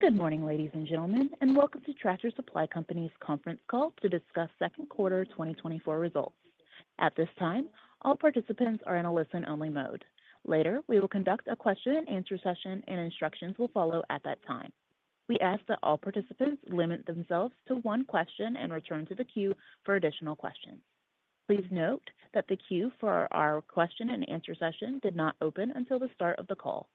Good morning, ladies and gentlemen, and Welcome to Tractor Supply Company's Conference Call to discuss Second Quarter 2024 Results. At this time, all participants are in a listen-only mode. Later, we will conduct a question-and-answer session, and instructions will follow at that time. We ask that all participants limit themselves to one question and return to the queue for additional questions. Please note that the queue for our question-and-answer session did not open until the start of the call.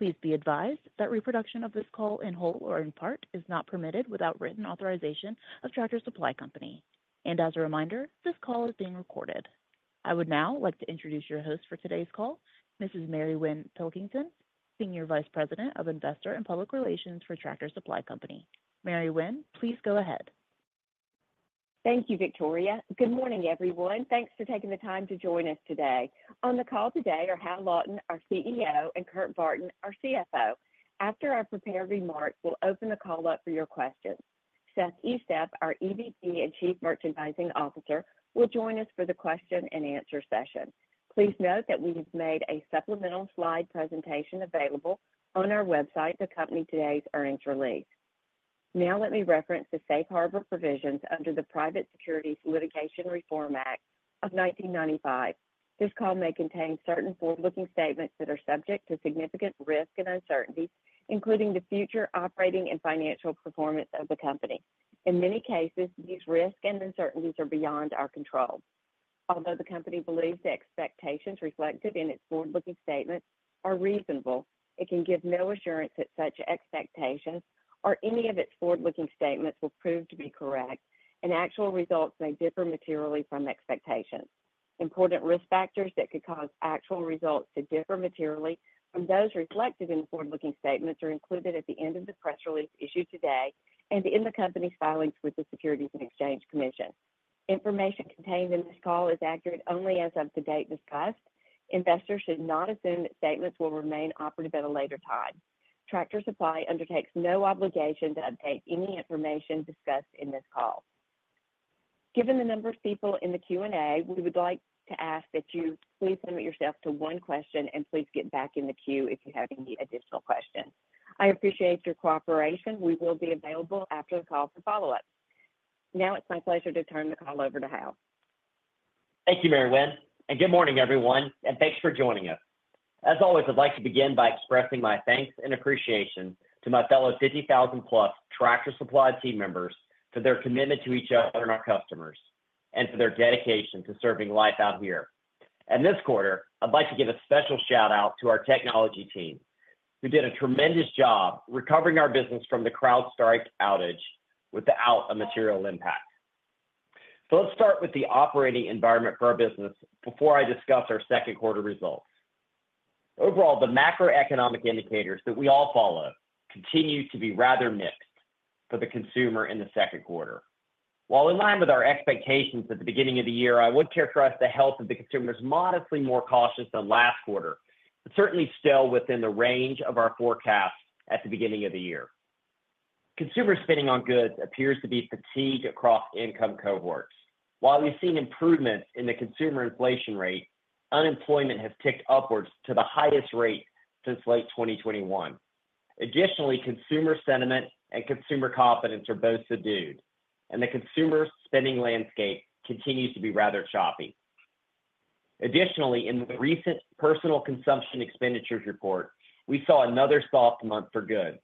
Please be advised that reproduction of this call in whole or in part is not permitted without written authorization of Tractor Supply Company. And as a reminder, this call is being recorded. I would now like to introduce your host for today's call, Mrs. Mary Winn Pilkington, Senior Vice President of Investor and Public Relations for Tractor Supply Company. Mary Winn, please go ahead. Thank you, Victoria. Good morning, everyone. Thanks for taking the time to join us today. On the call today are Hal Lawton, our CEO, and Kurt Barton, our CFO. After our prepared remarks, we'll open the call up for your questions. Seth Estep, our EVP and Chief Merchandising Officer, will join us for the question-and-answer session. Please note that we have made a supplemental slide presentation available on our website to accompany today's earnings release. Now, let me reference the Safe Harbor provisions under the Private Securities Litigation Reform Act of 1995. This call may contain certain forward-looking statements that are subject to significant risk and uncertainty, including the future operating and financial performance of the company. In many cases, these risks and uncertainties are beyond our control. Although the company believes the expectations reflected in its forward-looking statements are reasonable, it can give no assurance that such expectations or any of its forward-looking statements will prove to be correct, and actual results may differ materially from expectations. Important risk factors that could cause actual results to differ materially from those reflected in the forward-looking statements are included at the end of the press release issued today and in the company's filings with the Securities and Exchange Commission. Information contained in this call is accurate only as of the date discussed. Investors should not assume that statements will remain operative at a later time. Tractor Supply undertakes no obligation to update any information discussed in this call. Given the number of people in the Q&A, we would like to ask that you please limit yourself to one question and please get back in the queue if you have any additional questions. I appreciate your cooperation. We will be available after the call for follow-up. Now it's my pleasure to turn the call over to Hal. Thank you, Mary Winn, and good morning, everyone, and thanks for joining us. As always, I'd like to begin by expressing my thanks and appreciation to my fellow 50,000+ Tractor Supply team members for their commitment to each other and our customers, and for their dedication to serving Life Out Here. And this quarter, I'd like to give a special shout-out to our technology team, who did a tremendous job recovering our business from the CrowdStrike outage without a material impact. So let's start with the operating environment for our business before I discuss our second quarter results. Overall, the macroeconomic indicators that we all follow continued to be rather mixed for the consumer in the second quarter. While in line with our expectations at the beginning of the year, I would characterize the health of the consumer as modestly more cautious than last quarter, but certainly still within the range of our forecast at the beginning of the year. Consumer spending on goods appears to be fatigued across income cohorts. While we've seen improvements in the consumer inflation rate, unemployment has ticked upwards to the highest rate since late 2021. Additionally, consumer sentiment and consumer confidence are both subdued, and the consumer spending landscape continues to be rather choppy. Additionally, in the recent personal consumption expenditures report, we saw another soft month for goods.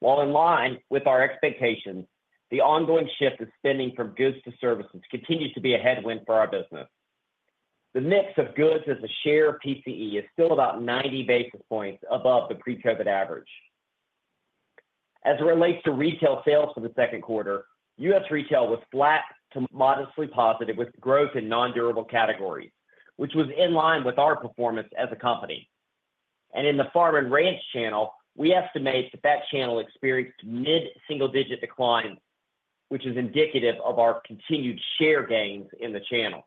While in line with our expectations, the ongoing shift in spending from goods to services continues to be a headwind for our business. The mix of goods as a share of PCE is still about 90 basis points above the pre-COVID average. As it relates to retail sales for the second quarter, U.S. retail was flat to modestly positive, with growth in nondurable categories, which was in line with our performance as a company. And in the farm and ranch channel, we estimate that that channel experienced mid-single-digit decline, which is indicative of our continued share gains in the channel.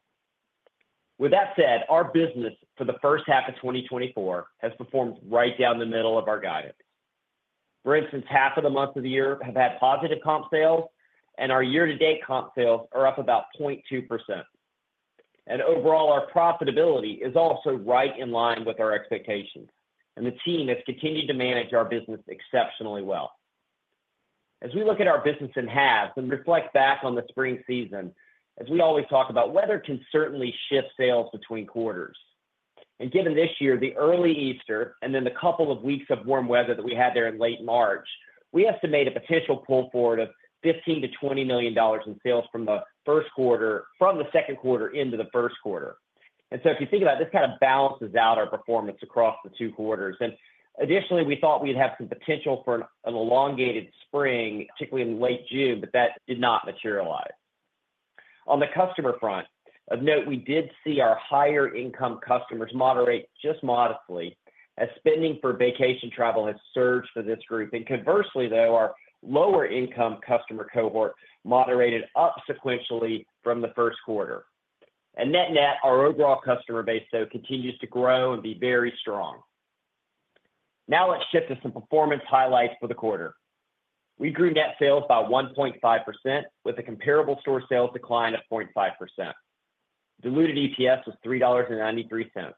With that said, our business for the first half of 2024 has performed right down the middle of our guidance. For instance, half of the months of the year have had positive comp sales, and our year-to-date comp sales are up about 0.2%. And overall, our profitability is also right in line with our expectations, and the team has continued to manage our business exceptionally well. As we look at our business in halves and reflect back on the spring season, as we always talk about, weather can certainly shift sales between quarters. Given this year, the early Easter and then the couple of weeks of warm weather that we had there in late March, we estimate a potential pull forward of $15 million-$20 million in sales from the second quarter into the first quarter. And so if you think about it, this kind of balances out our performance across the two quarters. And additionally, we thought we'd have some potential for an elongated spring, particularly in late June, but that did not materialize. On the customer front, of note, we did see our higher-income customers moderate just modestly, as spending for vacation travel has surged for this group. And conversely, though, our lower-income customer cohort moderated up sequentially from the first quarter. And net-net, our overall customer base, though, continues to grow and be very strong. Now, let's shift to some performance highlights for the quarter. We grew net sales by 1.5%, with a comparable store sales decline of 0.5%. Diluted EPS was $3.93.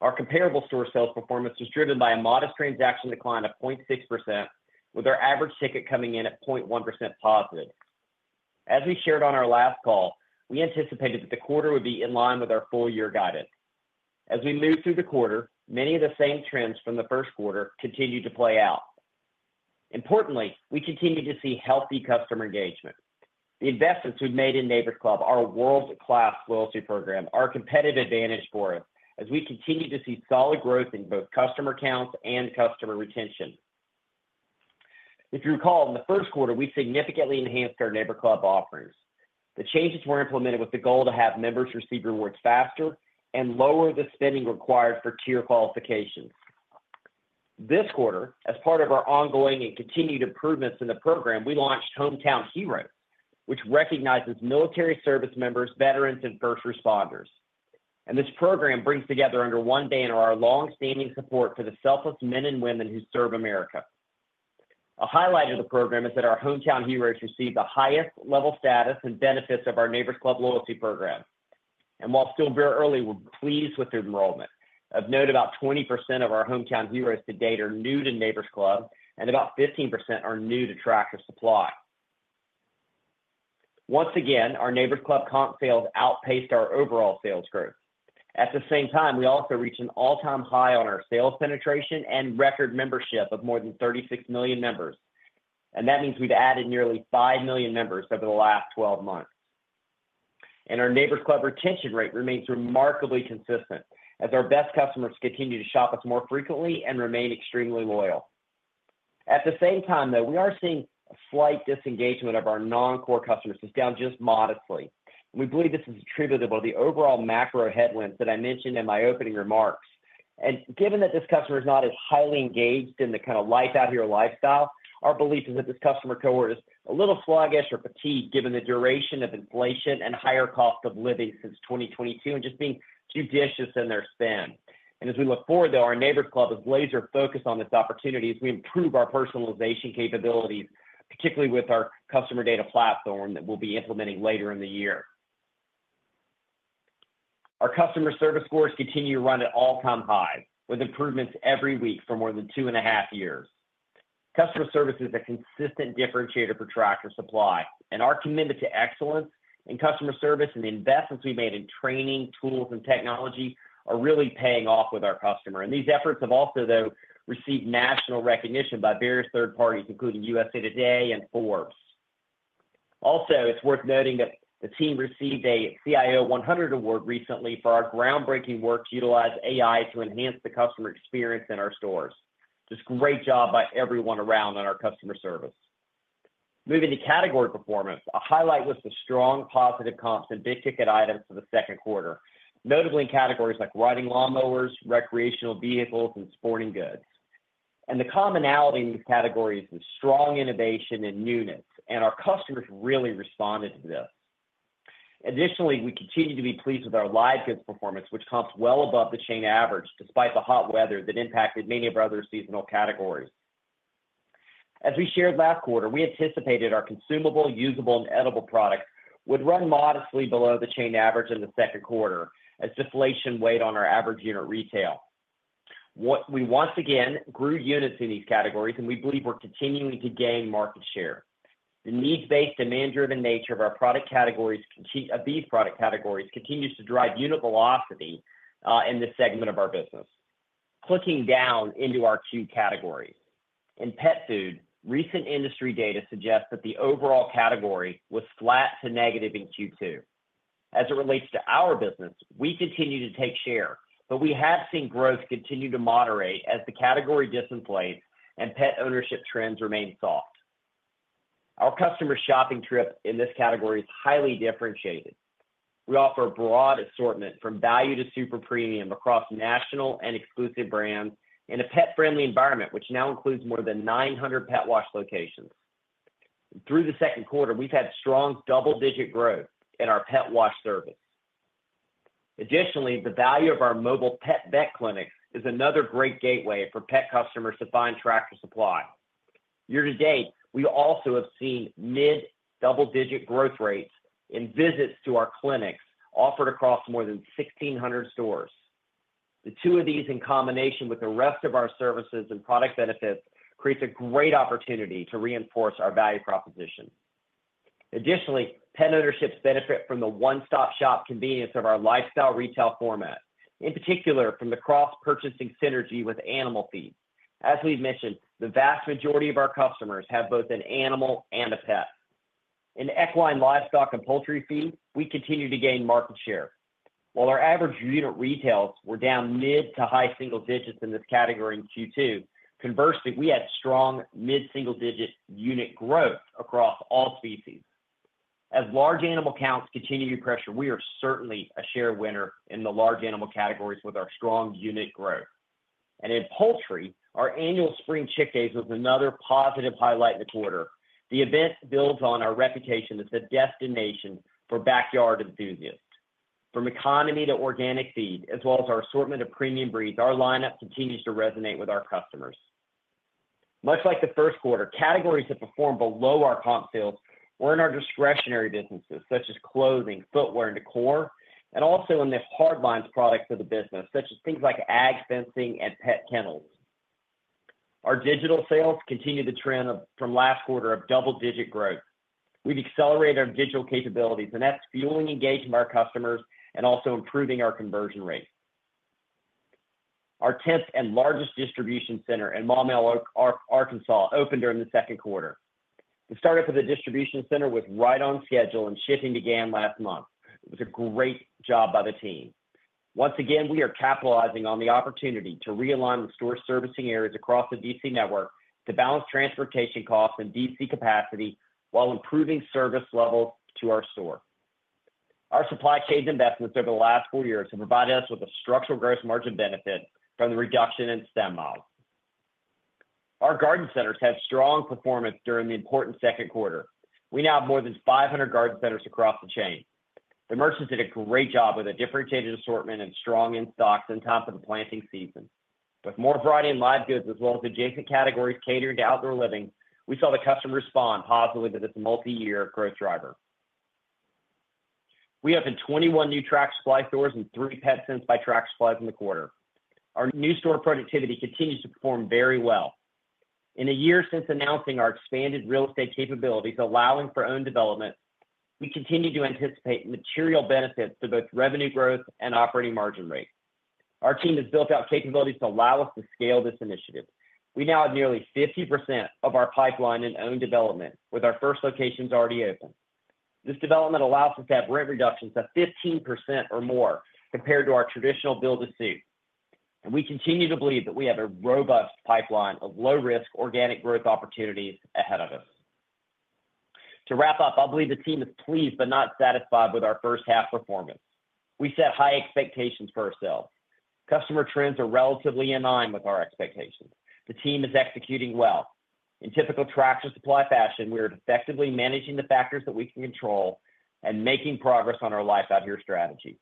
Our comparable store sales performance was driven by a modest transaction decline of 0.6%, with our average ticket coming in at 0.1% positive. As we shared on our last call, we anticipated that the quarter would be in line with our full year guidance. As we moved through the quarter, many of the same trends from the first quarter continued to play out. Importantly, we continued to see healthy customer engagement. The investments we've made in Neighbor's Club, our world-class loyalty program, are a competitive advantage for us as we continue to see solid growth in both customer counts and customer retention. If you recall, in the first quarter, we significantly enhanced our Neighbor's Club offerings. The changes were implemented with the goal to have members receive rewards faster and lower the spending required for tier qualifications. This quarter, as part of our ongoing and continued improvements in the program, we launched Hometown Hero, which recognizes military service members, veterans, and first responders. This program brings together under one banner, our long-standing support for the selfless men and women who serve America. A highlight of the program is that our Hometown Heroes receive the highest level status and benefits of our Neighbor's Club loyalty program. While still very early, we're pleased with the enrollment. Of note, about 20% of our Hometown Heroes to date are new to Neighbor's Club, and about 15% are new to Tractor Supply. Once again, our Neighbor's Club comp sales outpaced our overall sales growth. At the same time, we also reached an all-time high on our sales penetration and record membership of more than 36 million members, and that means we've added nearly 5 million members over the last 12 months. Our Neighbor's Club retention rate remains remarkably consistent as our best customers continue to shop us more frequently and remain extremely loyal. At the same time, though, we are seeing a slight disengagement of our non-core customers. It's down just modestly. We believe this is attributable to the overall macro headwinds that I mentioned in my opening remarks, and given that this customer is not as highly engaged in the kind of Life Out Here lifestyle, our belief is that this customer cohort is a little sluggish or fatigued, given the duration of inflation and higher cost of living since 2022, and just being judicious in their spend. As we look forward, though, our Neighbor's Club is laser focused on this opportunity as we improve our personalization capabilities, particularly with our customer data platform that we'll be implementing later in the year. Our customer service scores continue to run at all-time high, with improvements every week for more than two and a half years. Customer service is a consistent differentiator for Tractor Supply, and our commitment to excellence in customer service and the investments we've made in training, tools, and technology are really paying off with our customer. And these efforts have also, though, received national recognition by various third parties, including USA Today and Forbes. Also, it's worth noting that the team received a CIO 100 Award recently for our groundbreaking work to utilize AI to enhance the customer experience in our stores. Just great job by everyone around on our customer service. Moving to category performance. A highlight was the strong positive comps in big-ticket items for the second quarter, notably in categories like riding lawnmowers, recreational vehicles, and sporting goods. And the commonality in these categories is strong innovation and newness, and our customers really responded to this. Additionally, we continue to be pleased with our live goods performance, which comps well above the chain average, despite the hot weather that impacted many of our other seasonal categories. As we shared last quarter, we anticipated our consumable, usable, and edible products would run modestly below the chain average in the second quarter as deflation weighed on our average unit retail. We once again grew units in these categories, and we believe we're continuing to gain market share. The needs-based, demand-driven nature of our product categories of these product categories continues to drive unit velocity in this segment of our business. Drilling down into our two categories. In pet food, recent industry data suggests that the overall category was flat to negative in Q2. As it relates to our business, we continue to take share, but we have seen growth continue to moderate as the category disinflates and pet ownership trends remain soft. Our customer shopping trip in this category is highly differentiated. We offer a broad assortment from value to super premium across national and exclusive brands in a pet-friendly environment, which now includes more than 900 pet wash locations. Through the second quarter, we've had strong double-digit growth in our pet wash service. Additionally, the value of our Mobile PetVet Clinics is another great gateway for pet customers to find Tractor Supply. Year to date, we also have seen mid-double-digit growth rates in visits to our clinics offered across more than 1,600 stores. The two of these, in combination with the rest of our services and product benefits, creates a great opportunity to reinforce our value proposition. Additionally, pet ownerships benefit from the one-stop-shop convenience of our lifestyle retail format, in particular from the cross-purchasing synergy with animal feed. As we've mentioned, the vast majority of our customers have both an animal and a pet. In equine, livestock, and poultry feed, we continue to gain market share. While our average unit Retail was down mid- to high-single-digits in this category in Q2, conversely, we had strong mid-single-digit unit growth across all species. As large animal counts continue to pressure, we are certainly a share winner in the large animal categories with our strong unit growth. In poultry, our annual Spring Chick Days was another positive highlight in the quarter. The event builds on our reputation as the destination for backyard enthusiasts. From economy to organic feed, as well as our assortment of premium breeds, our lineup continues to resonate with our customers. Much like the first quarter, categories that performed below our comp sales were in our discretionary businesses, such as clothing, footwear, and decor, and also in the hard lines products of the business, such as things like ag fencing and pet kennels. Our digital sales continued the trend from last quarter of double-digit growth. We've accelerated our digital capabilities, and that's fueling engagement of our customers and also improving our conversion rate. Our tenth and largest distribution center in Maumelle, Arkansas, opened during the second quarter. The startup of the distribution center was right on schedule, and shipping began last month. It was a great job by the team. Once again, we are capitalizing on the opportunity to realign the store servicing areas across the DC network to balance transportation costs and DC capacity while improving service levels to our store. Our supply chain investments over the last four years have provided us with a structural gross margin benefit from the reduction in stem mile. Our garden centers had strong performance during the important second quarter. We now have more than 500 garden centers across the chain. The merchants did a great job with a differentiated assortment and strong in stocks on top of the planting season. With more variety in live goods as well as adjacent categories catered to outdoor living, we saw the customer respond positively to this multi-year growth driver. We opened 21 new Tractor Supply stores and three Petsense by Tractor Supply in the quarter. Our new store productivity continues to perform very well. In a year since announcing our expanded real estate capabilities, allowing for own development, we continue to anticipate material benefits to both revenue growth and operating margin rate. Our team has built out capabilities to allow us to scale this initiative. We now have nearly 50% of our pipeline in own development, with our first locations already open. This development allows us to have rent reductions of 15% or more compared to our traditional build-to-suit. And we continue to believe that we have a robust pipeline of low-risk organic growth opportunities ahead of us. To wrap up, I believe the team is pleased but not satisfied with our first half performance. We set high expectations for ourselves. Customer trends are relatively in line with our expectations. The team is executing well. In typical Tractor Supply fashion, we are effectively managing the factors that we can control and making progress on our Life Out Here strategy.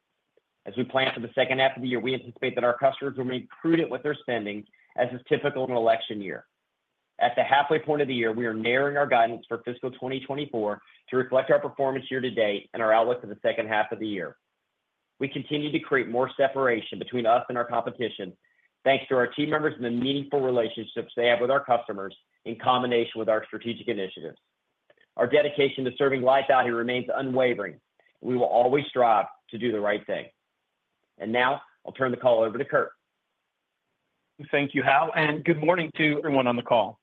As we plan for the second half of the year, we anticipate that our customers will remain prudent with their spending, as is typical in an election year. At the halfway point of the year, we are narrowing our guidance for fiscal 2024 to reflect our performance year to date and our outlook for the second half of the year. We continue to create more separation between us and our competition, thanks to our team members and the meaningful relationships they have with our customers in combination with our strategic initiatives. Our dedication to serving Life Out Here remains unwavering. We will always strive to do the right thing. Now, I'll turn the call over to Kurt. Thank you, Hal, and good morning to everyone on the call.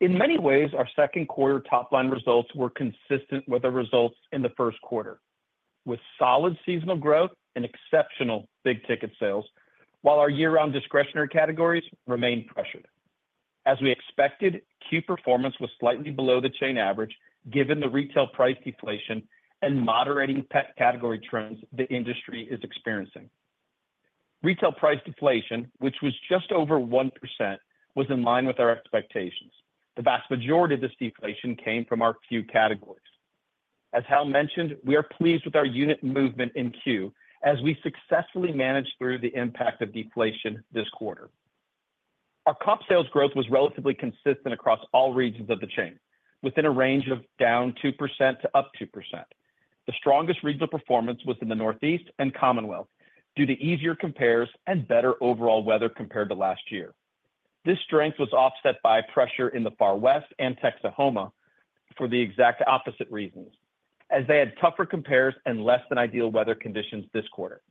In many ways, our second quarter top-line results were consistent with the results in the first quarter, with solid seasonal growth and exceptional big ticket sales, while our year-round discretionary categories remained pressured. As we expected, Q performance was slightly below the chain average, given the retail price deflation and moderating pet category trends the industry is experiencing. Retail price deflation, which was just over 1%, was in line with our expectations. The vast majority of this deflation came from our fuel categories. As Hal mentioned, we are pleased with our unit movement in Q as we successfully managed through the impact of deflation this quarter. Our comp sales growth was relatively consistent across all regions of the chain, within a range of down 2% to up 2%. The strongest regional performance was in the Northeast and Commonwealth, due to easier compares and better overall weather compared to last year. This strength was offset by pressure in the Far West and Texahoma for the exact opposite reasons, as they had tougher compares and less than ideal weather conditions this quarter.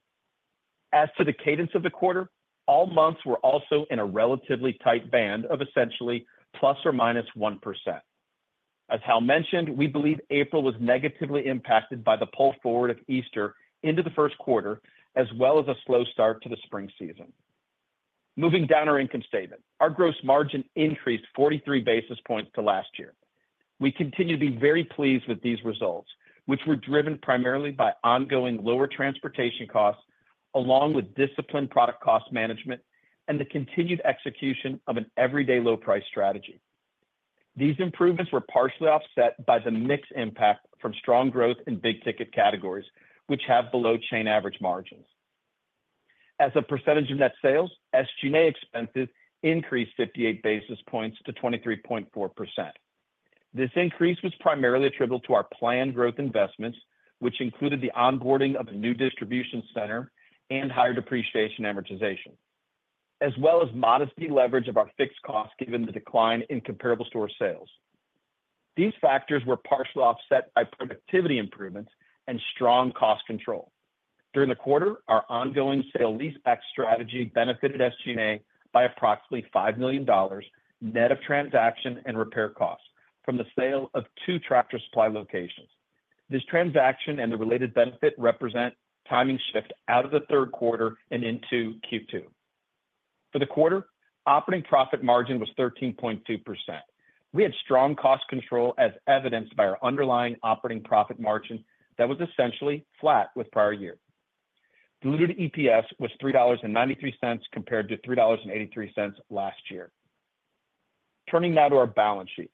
As to the cadence of the quarter, all months were also in a relatively tight band of essentially plus or minus 1%. As Hal mentioned, we believe April was negatively impacted by the pull forward of Easter into the first quarter, as well as a slow start to the spring season. Moving down our income statement. Our gross margin increased 43 basis points to last year. We continue to be very pleased with these results, which were driven primarily by ongoing lower transportation costs, along with disciplined product cost management and the continued execution of an everyday low price strategy. These improvements were partially offset by the mix impact from strong growth in big ticket categories, which have below chain average margins. As a percentage of net sales, SG&A expenses increased 58 basis points to 23.4%. This increase was primarily attributable to our planned growth investments, which included the onboarding of a new distribution center and higher depreciation amortization, as well as modest deleverage of our fixed costs, given the decline in comparable store sales. These factors were partially offset by productivity improvements and strong cost control. During the quarter, our ongoing sale-leaseback strategy benefited SG&A by approximately $5 million, net of transaction and repair costs from the sale of two Tractor Supply locations. This transaction and the related benefit represent timing shift out of the third quarter and into Q2. For the quarter, operating profit margin was 13.2%. We had strong cost control, as evidenced by our underlying operating profit margin that was essentially flat with prior year. Diluted EPS was $3.93, compared to $3.83 last year. Turning now to our balance sheet.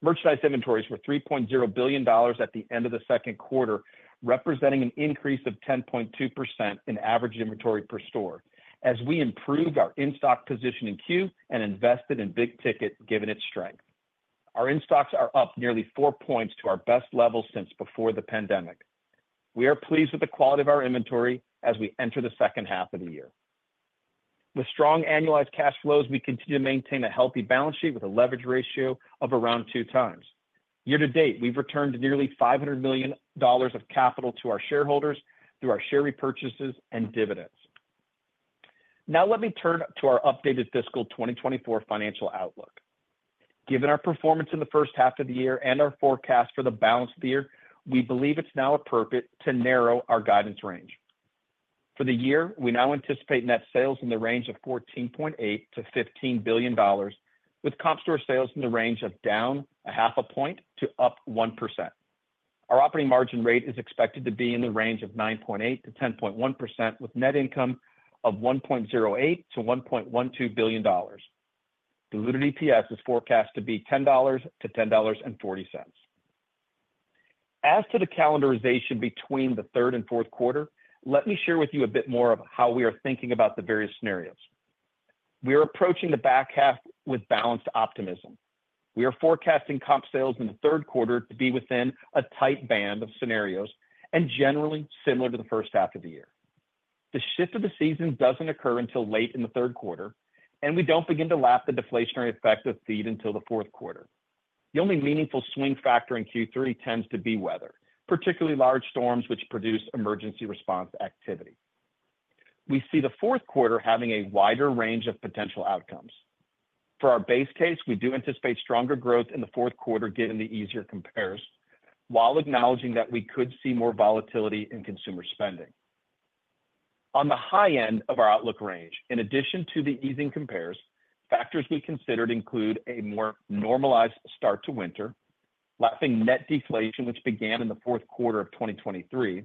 Merchandise inventories were $3.0 billion at the end of the second quarter, representing an increase of 10.2% in average inventory per store, as we improved our in-stock position in Q and invested in big ticket, given its strength. Our in-stocks are up nearly four points to our best level since before the pandemic. We are pleased with the quality of our inventory as we enter the second half of the year. With strong annualized cash flows, we continue to maintain a healthy balance sheet with a leverage ratio of around 2x. Year to date, we've returned nearly $500 million of capital to our shareholders through our share repurchases and dividends. Now, let me turn to our updated fiscal 2024 financial outlook. Given our performance in the first half of the year and our forecast for the balance of the year, we believe it's now appropriate to narrow our guidance range. For the year, we now anticipate net sales in the range of $14.8 billion-$15 billion, with comp store sales in the range of down 0.5 point to up 1%. Our operating margin rate is expected to be in the range of 9.8%-10.1%, with net income of $1.08 billion-$1.12 billion. Diluted EPS is forecast to be $10-$10.40. As to the calendarization between the third and fourth quarter, let me share with you a bit more of how we are thinking about the various scenarios. We are approaching the back half with balanced optimism. We are forecasting comp sales in the third quarter to be within a tight band of scenarios and generally similar to the first half of the year. The shift of the season doesn't occur until late in the third quarter, and we don't begin to lap the deflationary effects of feed until the fourth quarter. The only meaningful swing factor in Q3 tends to be weather, particularly large storms, which produce emergency response activity. We see the fourth quarter having a wider range of potential outcomes. For our base case, we do anticipate stronger growth in the fourth quarter, given the easier compares, while acknowledging that we could see more volatility in consumer spending. On the high end of our outlook range, in addition to the easing compares, factors we considered include a more normalized start to winter, lapping net deflation, which began in the fourth quarter of 2023,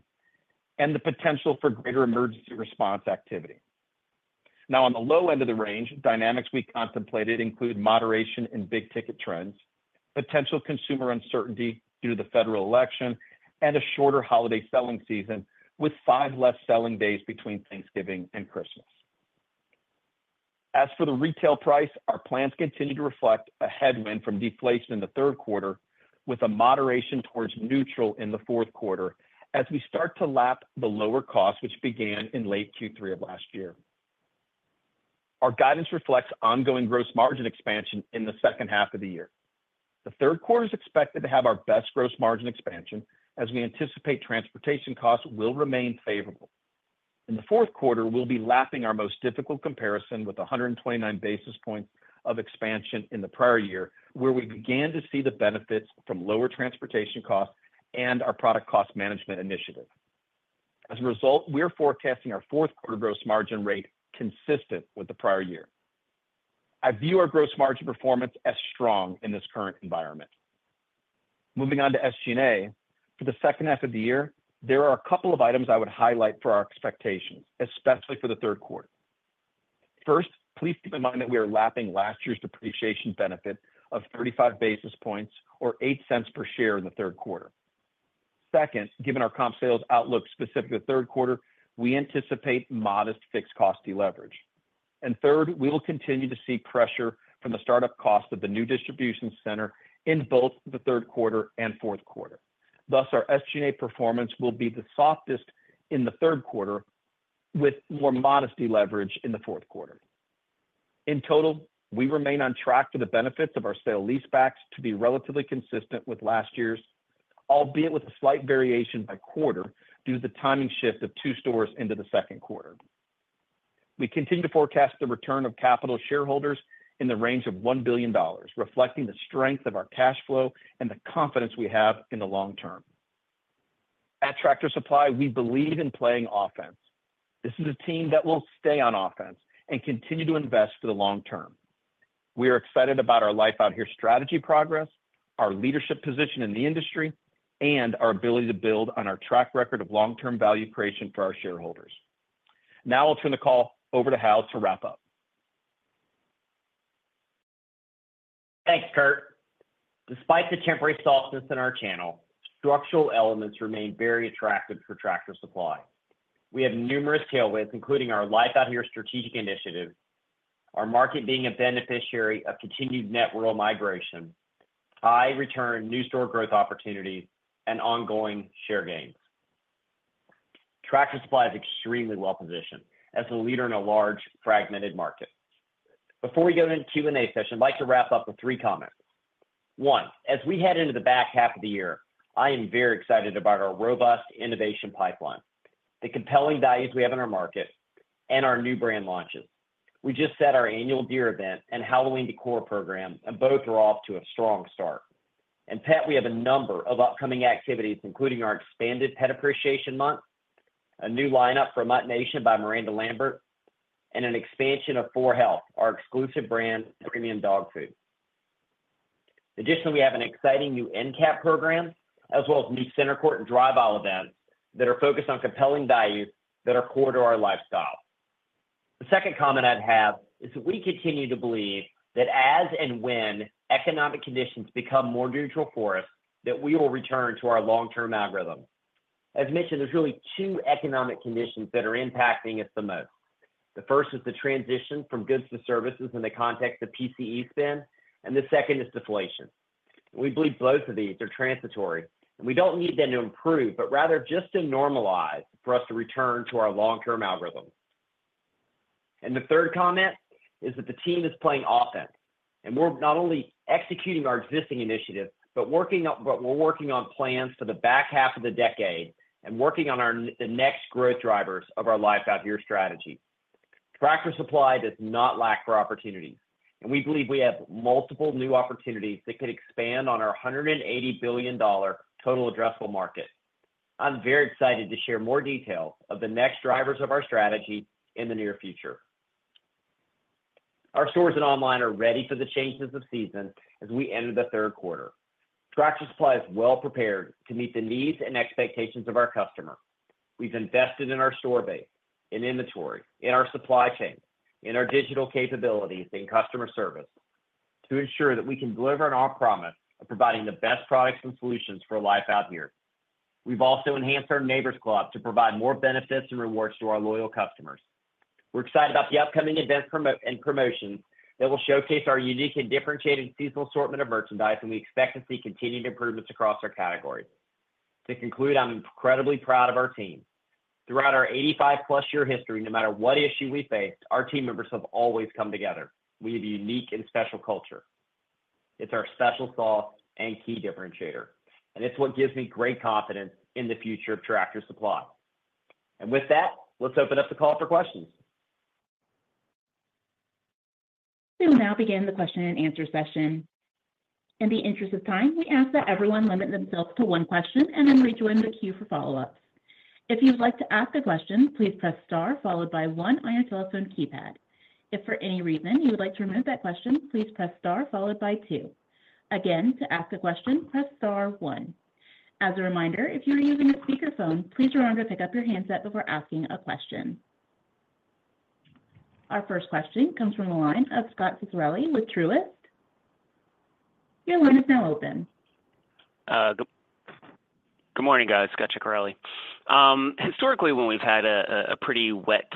and the potential for greater emergency response activity. Now, on the low end of the range, dynamics we contemplated include moderation in big-ticket trends, potential consumer uncertainty due to the federal election, and a shorter holiday selling season, with five less selling days between Thanksgiving and Christmas. As for the retail price, our plans continue to reflect a headwind from deflation in the third quarter, with a moderation towards neutral in the fourth quarter as we start to lap the lower cost, which began in late Q3 of last year. Our guidance reflects ongoing gross margin expansion in the second half of the year. The third quarter is expected to have our best gross margin expansion, as we anticipate transportation costs will remain favorable. In the fourth quarter, we'll be lapping our most difficult comparison with 129 basis points of expansion in the prior year, where we began to see the benefits from lower transportation costs and our product cost management initiative. As a result, we are forecasting our fourth quarter gross margin rate consistent with the prior year. I view our gross margin performance as strong in this current environment. Moving on to SG&A. For the second half of the year, there are a couple of items I would highlight for our expectations, especially for the third quarter. First, please keep in mind that we are lapping last year's depreciation benefit of 35 basis points or $0.08 per share in the third quarter. Second, given our comp sales outlook, specific to the third quarter, we anticipate modest fixed cost deleverage. Third, we will continue to see pressure from the start-up cost of the new distribution center in both the third quarter and fourth quarter. Thus, our SG&A performance will be the softest in the third quarter, with more modest deleverage in the fourth quarter. In total, we remain on track for the benefits of our sale-leasebacks to be relatively consistent with last year's, albeit with a slight variation by quarter, due to the timing shift of two stores into the second quarter. We continue to forecast the return of capital to shareholders in the range of $1 billion, reflecting the strength of our cash flow and the confidence we have in the long term. At Tractor Supply, we believe in playing offense. This is a team that will stay on offense and continue to invest for the long term. We are excited about our Life Out Here strategy progress, our leadership position in the industry, and our ability to build on our track record of long-term value creation for our shareholders. Now I'll turn the call over to Hal to wrap up. Thanks, Kurt. Despite the temporary softness in our channel, structural elements remain very attractive for Tractor Supply. We have numerous tailwinds, including our Life Out Here strategic initiative, our market being a beneficiary of continued net rural migration, high return new store growth opportunities, and ongoing share gains. Tractor Supply is extremely well-positioned as a leader in a large, fragmented market. Before we go into the Q&A session, I'd like to wrap up with three comments. One, as we head into the back half of the year, I am very excited about our robust innovation pipeline, the compelling values we have in our market, and our new brand launches. We just set our annual deer event and Halloween decor program, and both are off to a strong start. In pet, we have a number of upcoming activities, including our expanded Pet Appreciation Month, a new lineup for MuttNation by Miranda Lambert, and an expansion of 4health, our exclusive brand premium dog food. Additionally, we have an exciting new end cap program, as well as new center court and drive aisle events that are focused on compelling value that are core to our lifestyle. The second comment I'd have is that we continue to believe that as and when economic conditions become more neutral for us, that we will return to our long-term algorithm. As mentioned, there's really two economic conditions that are impacting us the most. The first is the transition from goods to services in the context of PCE spend, and the second is deflation. We believe both of these are transitory, and we don't need them to improve, but rather just to normalize for us to return to our long-term algorithm. And the third comment is that the team is playing offense, and we're not only executing our existing initiatives, but we're working on plans for the back half of the decade and working on the next growth drivers of our Life Out Here strategy. Tractor Supply does not lack for opportunities, and we believe we have multiple new opportunities that could expand on our $180 billion total addressable market. I'm very excited to share more details of the next drivers of our strategy in the near future. Our stores and online are ready for the changes of season as we enter the third quarter. Tractor Supply is well prepared to meet the needs and expectations of our customer. We've invested in our store base, in inventory, in our supply chain, in our digital capabilities, and customer service to ensure that we can deliver on our promise of providing the best products and solutions for Life Out Here. We've also enhanced our Neighbor's Club to provide more benefits and rewards to our loyal customers. We're excited about the upcoming events promo-- and promotions that will showcase our unique and differentiated seasonal assortment of merchandise, and we expect to see continued improvements across our categories. To conclude, I'm incredibly proud of our team. Throughout our 85+ year history, no matter what issue we faced, our team members have always come together. We have a unique and special culture. It's our special sauce and key differentiator, and it's what gives me great confidence in the future of Tractor Supply. With that, let's open up the call for questions. We'll now begin the question-and-answer session. In the interest of time, we ask that everyone limit themselves to one question and then rejoin the queue for follow-ups. If you'd like to ask a question, please press star followed by one on your telephone keypad. If for any reason you would like to remove that question, please press star followed by two. Again, to ask a question, press star one. As a reminder, if you are using a speakerphone, please remember to pick up your handset before asking a question. Our first question comes from the line of Scot Ciccarelli with Truist. Your line is now open. Good morning, guys. Scot Ciccarelli. Historically, when we've had a pretty wet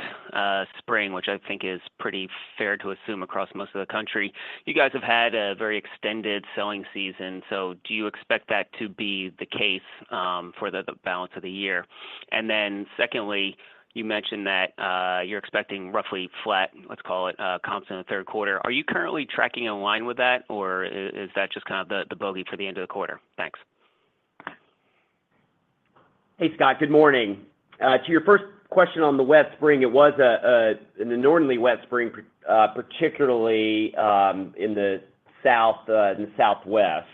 spring, which I think is pretty fair to assume across most of the country, you guys have had a very extended selling season. So do you expect that to be the case for the balance of the year? And then secondly, you mentioned that you're expecting roughly flat, let's call it, comps in the third quarter. Are you currently tracking in line with that, or is that just kind of the bogey for the end of the quarter? Thanks. Hey, Scot. Good morning. To your first question on the wet spring, it was an inordinately wet spring, particularly in the south, in the southwest.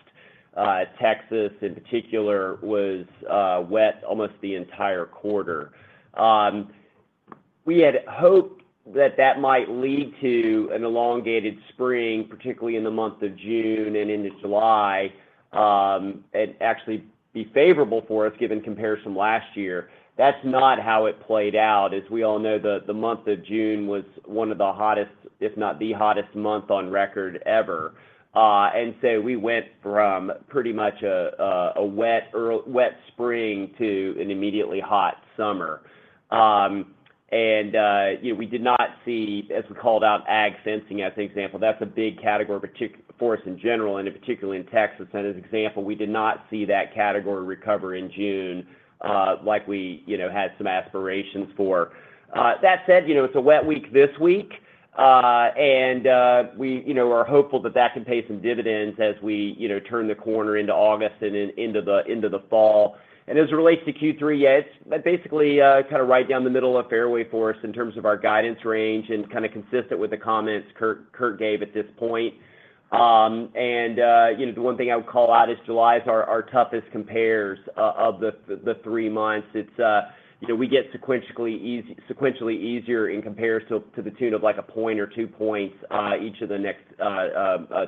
Texas, in particular, was wet almost the entire quarter. We had hoped that that might lead to an elongated spring, particularly in the month of June and into July, and actually be favorable for us, given comparison last year. That's not how it played out. As we all know, the month of June was one of the hottest, if not the hottest month on record ever. And so we went from pretty much a wet spring to an immediately hot summer. And, you know, we did not see, as we called out, ag fencing as an example, that's a big category, particularly for us in general, and in particular in Texas. And as an example, we did not see that category recover in June, like we, you know, had some aspirations for. That said, you know, it's a wet week this week, and, we, you know, are hopeful that that can pay some dividends as we, you know, turn the corner into August and then into the, into the fall. And as it relates to Q3, yeah, it's basically, kind of right down the middle of fairway for us in terms of our guidance range and kind of consistent with the comments Kurt gave at this point. And, you know, the one thing I would call out is July is our toughest compares of the three months. It's, you know, we get sequentially easier in compares to the tune of, like, a point or two points each of the next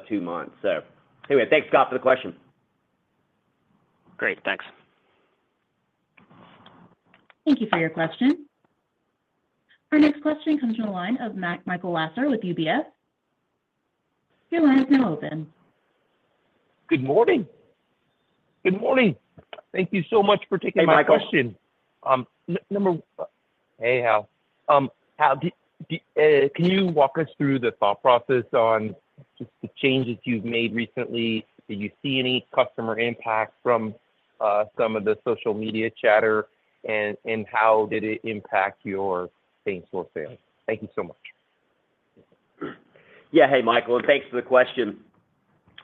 two months. So anyway, thanks, Scot, for the question. Great. Thanks. Thank you for your question. Our next question comes from the line of Michael Lasser with UBS. Your line is now open. Good morning. Good morning. Thank you so much for taking my question. Hey, Michael. Number one. Hey, Hal. Hal, can you walk us through the thought process on just the changes you've made recently? Do you see any customer impact from some of the social media chatter? And how did it impact your same-store sales? Thank you so much. Yeah. Hey, Michael, and thanks for the question.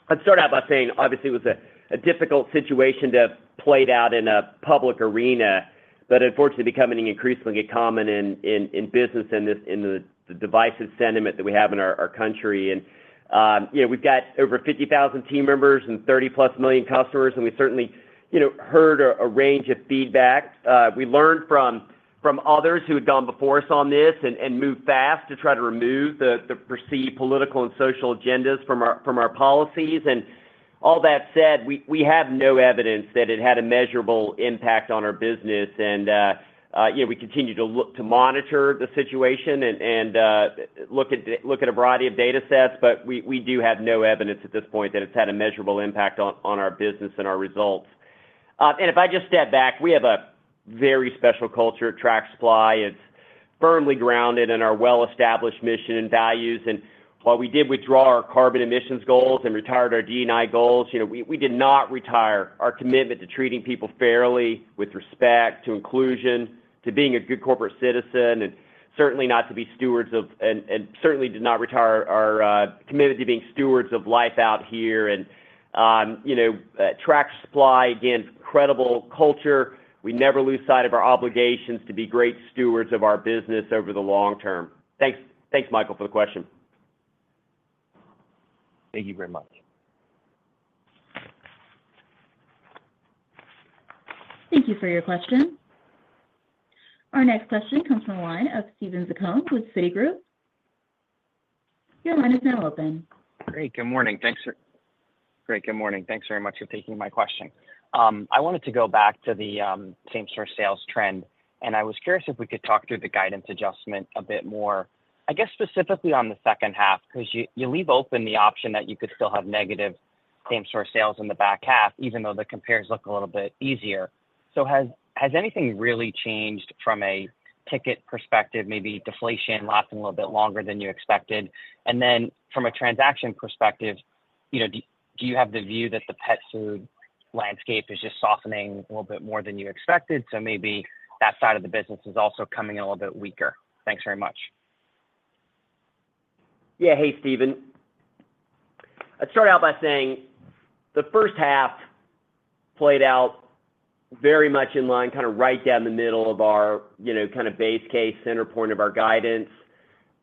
I'd start out by saying, obviously, it was a difficult situation to have played out in a public arena, but unfortunately, becoming increasingly common in business and this in the divisive sentiment that we have in our country. And, you know, we've got over 50,000 team members and 30+ million customers, and we certainly, you know, heard a range of feedback. We learned from others who had gone before us on this and moved fast to try to remove the perceived political and social agendas from our policies. And, all that said, we have no evidence that it had a measurable impact on our business. Yeah, we continue to look to monitor the situation and look at a variety of datasets, but we do have no evidence at this point that it's had a measurable impact on our business and our results. If I just step back, we have a very special culture at Tractor Supply. It's firmly grounded in our well-established mission and values. While we did withdraw our carbon emissions goals and retired our DEI goals, you know, we did not retire our commitment to treating people fairly, with respect to inclusion, to being a good corporate citizen, and certainly not to be stewards of Life Out Here, and certainly did not retire our commitment to being stewards of Life Out Here. You know, Tractor Supply, again, incredible culture. We never lose sight of our obligations to be great stewards of our business over the long term. Thanks, thanks, Michael, for the question. Thank you very much. Thank you for your question. Our next question comes from the line of Steven Zaccone with Citigroup. Your line is now open. Great, good morning. Thanks very much for taking my question. I wanted to go back to the, same-store sales trend, and I was curious if we could talk through the guidance adjustment a bit more, I guess, specifically on the second half, 'cause you, you leave open the option that you could still have negative same-store sales in the back half, even though the compares look a little bit easier. So has, has anything really changed from a ticket perspective, maybe deflation lasting a little bit longer than you expected? And then from a transaction perspective, you know, do, do you have the view that the pet food landscape is just softening a little bit more than you expected, so maybe that side of the business is also coming in a little bit weaker? Thanks very much. Yeah. Hey, Steven. I'd start out by saying the first half played out very much in line, kind of right down the middle of our, you know, kind of base case, center point of our guidance.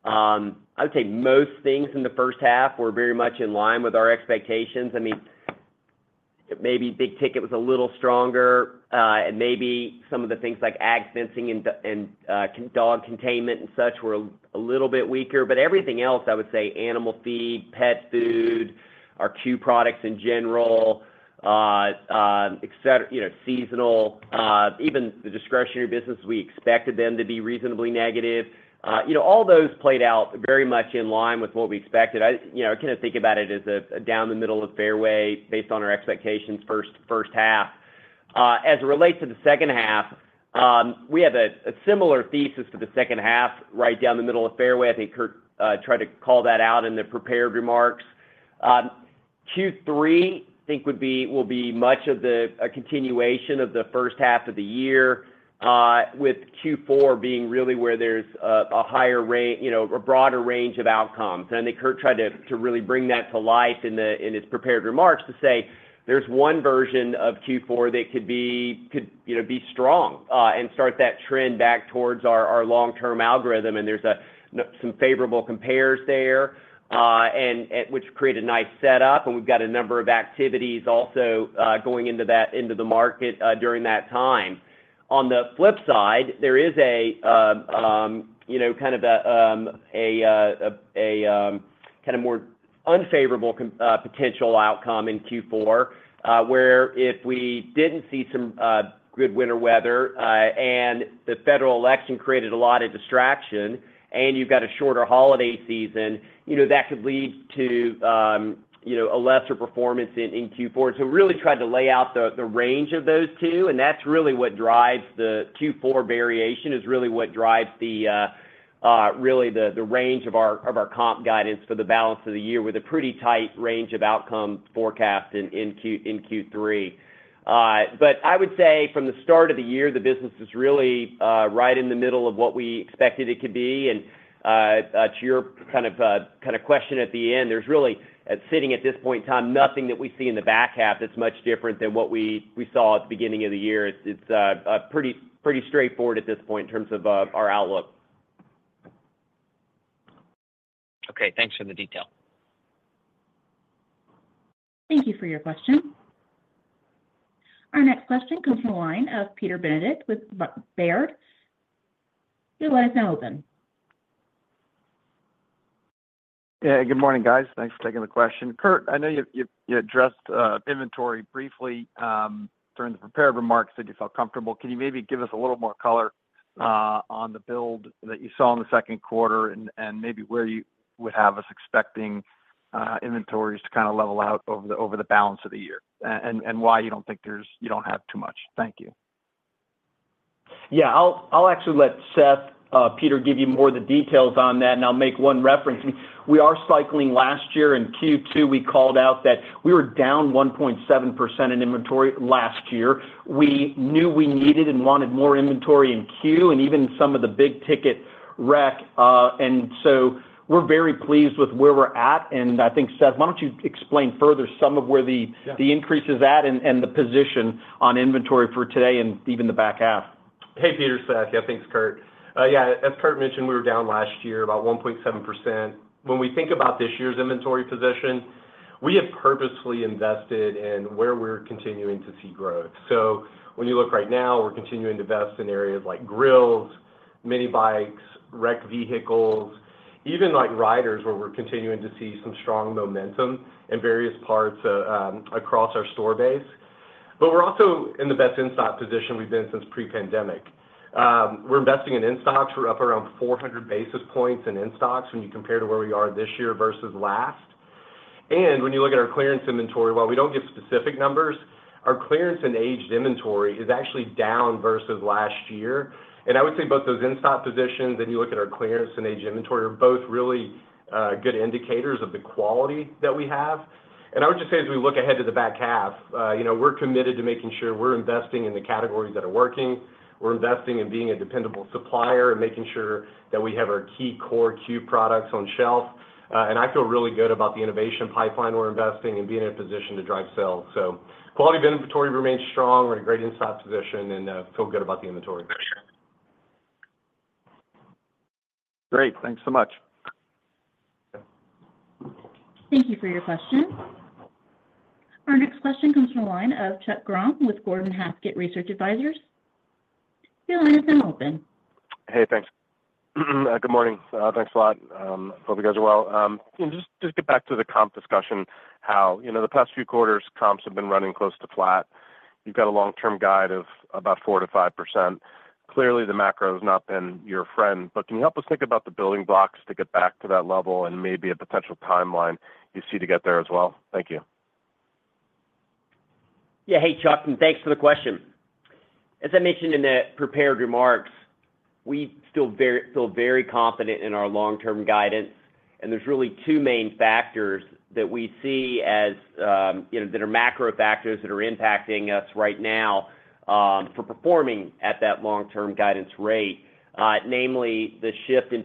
I would say most things in the first half were very much in line with our expectations. I mean, maybe big ticket was a little stronger, and maybe some of the things like ag fencing and dog containment and such were a little bit weaker. But everything else, I would say, animal feed, pet food, our C.U.E. products in general, etc., you know, seasonal, even the discretionary business, we expected them to be reasonably negative. You know, all those played out very much in line with what we expected. I. You know, I kind of think about it as down the middle of fairway, based on our expectations first, first half. As it relates to the second half, we have a similar thesis for the second half, right down the middle of fairway. I think Kurt tried to call that out in the prepared remarks. Q3, I think will be much of the continuation of the first half of the year, with Q4 being really where there's a higher you know, a broader range of outcomes. And I think Kurt tried to really bring that to life in his prepared remarks, to say there's one version of Q4 that could be, could, you know, be strong, and start that trend back towards our long-term algorithm. And there's some favorable compares there, and which create a nice setup, and we've got a number of activities also going into that, into the market during that time. On the flip side, there is, you know, kind of a more unfavorable potential outcome in Q4, where if we didn't see some good winter weather, and the federal election created a lot of distraction, and you've got a shorter holiday season, you know, that could lead to, you know, a lesser performance in Q4. So really tried to lay out the range of those two, and that's really what drives the Q4 variation, is really what drives the range of our comp guidance for the balance of the year, with a pretty tight range of outcome forecast in Q3. But I would say from the start of the year, the business is really right in the middle of what we expected it to be. And to your kind of question at the end, there's really sitting at this point in time, nothing that we see in the back half that's much different than what we saw at the beginning of the year. It's pretty straightforward at this point in terms of our outlook. Okay, thanks for the detail. Thank you for your question. Our next question comes from the line of Peter Benedict with Baird. Your line is now open. Yeah, good morning, guys. Thanks for taking the question. Kurt, I know you addressed inventory briefly during the prepared remarks, said you felt comfortable. Can you maybe give us a little more color on the build that you saw in the second quarter and maybe where you would have us expecting inventories to kind of level out over the balance of the year? And why you don't think there's you don't have too much. Thank you. Yeah, I'll, I'll actually let Seth, Peter, give you more of the details on that, and I'll make one reference. We are cycling last year in Q2, we called out that we were down 1.7% in inventory last year. We knew we needed and wanted more inventory in Q and even some of the big ticket rec. And so we're very pleased with where we're at. And I think, Seth, why don't you explain further some of where the. Yeah The increase is at, and the position on inventory for today and even the back half? Hey, Peter. Seth. Yeah, thanks, Kurt. Yeah, as Kurt mentioned, we were down last year about 1.7%. When we think about this year's inventory position, we have purposefully invested in where we're continuing to see growth. So when you look right now, we're continuing to invest in areas like grills, mini bikes, rec vehicles, even like riders, where we're continuing to see some strong momentum in various parts, across our store base. But we're also in the best in-stock position we've been since pre-pandemic. We're investing in in-stocks. We're up around 400 basis points in in-stocks when you compare to where we are this year versus last. And when you look at our clearance inventory, while we don't give specific numbers, our clearance and aged inventory is actually down versus last year. I would say both those in-stock positions, and you look at our clearance and aged inventory, are both really good indicators of the quality that we have. I would just say, as we look ahead to the back half, you know, we're committed to making sure we're investing in the categories that are working. We're investing in being a dependable supplier and making sure that we have our key core C.U.E. products on shelf. And I feel really good about the innovation pipeline we're investing and being in a position to drive sales. So quality of inventory remains strong. We're in a great in-stock position and feel good about the inventory. Great. Thanks so much. Thank you for your question. Our next question comes from the line of Chuck Grom with Gordon Haskett Research Advisors. Your line is now open. Hey, thanks. Good morning. Thanks a lot. Hope you guys are well. Just, just get back to the comp discussion, how, you know, the past few quarters comps have been running close to flat. You've got a long-term guide of about 4%-5%. Clearly, the macro has not been your friend, but can you help us think about the building blocks to get back to that level and maybe a potential timeline you see to get there as well? Thank you. Yeah. Hey, Chuck, and thanks for the question. As I mentioned in the prepared remarks, we still feel very confident in our long-term guidance, and there's really two main factors that we see as, you know, that are macro factors that are impacting us right now for performing at that long-term guidance rate. Namely the shift in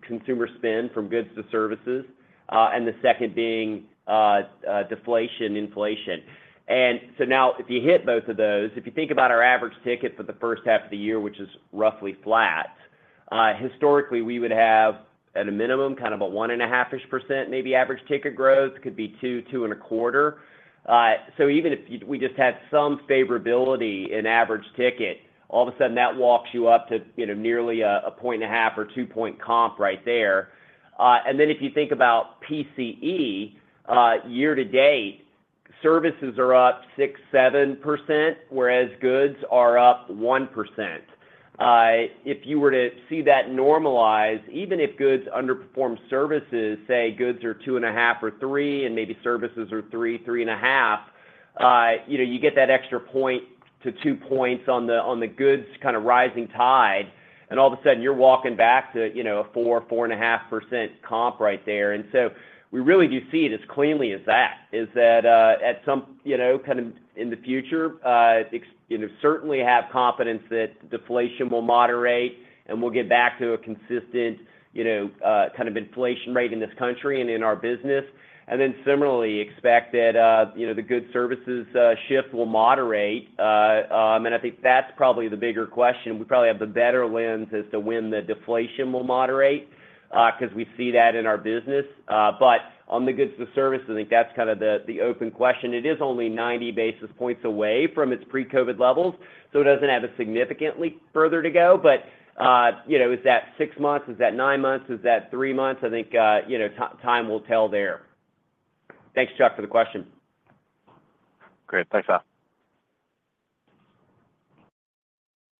consumer spend from goods to services, and the second being deflation, inflation. So now if you hit both of those, if you think about our average ticket for the first half of the year, which is roughly flat, historically, we would have, at a minimum, kind of a 1.5%-ish, maybe average ticket growth, could be 2, 2.25. So even if you—we just had some favorability in average ticket, all of a sudden, that walks you up to, you know, nearly a 1.5 or 2% comp right there. And then if you think about PCE, year to date, services are up 6%-7%, whereas goods are up 1%. If you were to see that normalize, even if goods underperform services, say, goods are 2.5 or 3, and maybe services are 3-3.5, you know, you get that extra 1-2 points on the, on the goods kind of rising tide, and all of a sudden, you're walking back to, you know, a 4-4.5% comp right there. And so we really do see it as cleanly as that, is that, at some, you know, kind of in the future, you know, certainly have confidence that deflation will moderate, and we'll get back to a consistent, you know, kind of inflation rate in this country and in our business. And then similarly, expect that, you know, the good services shift will moderate. And I think that's probably the bigger question. We probably have the better lens as to when the deflation will moderate, 'cause we see that in our business. But on the goods to service, I think that's kind of the, the open question. It is only 90 basis points away from its pre-COVID levels, so it doesn't have a significantly further to go. But, you know, is that six months? Is that nine months? Is that three months? I think, you know, time will tell there. Thanks, Chuck, for the question. Great. Thanks a lot.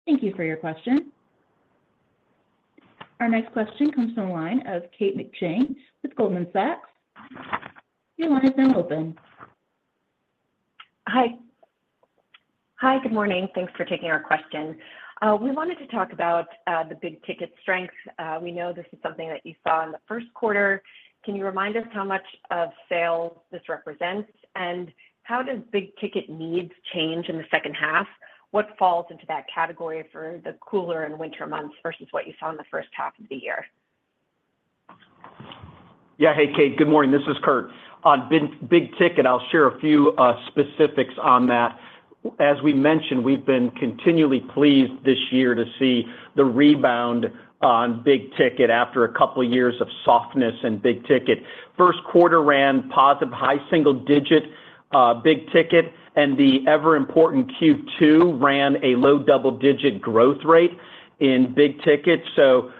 Thank you for your question. Our next question comes from the line of Kate McShane with Goldman Sachs. Your line is now open. Hi. Hi, good morning. Thanks for taking our question. We wanted to talk about the big ticket strength. We know this is something that you saw in the first quarter. Can you remind us how much of sales this represents? And how does big ticket needs change in the second half? What falls into that category for the cooler and winter months versus what you saw in the first half of the year? Yeah. Hey, Kate, good morning. This is Kurt. On big-ticket, I'll share a few specifics on that. As we mentioned, we've been continually pleased this year to see the rebound on big ticket after a couple of years of softness in big ticket. First quarter ran positive, high single digit big ticket, and the ever important Q2 ran a low double-digit growth rate in big ticket. So,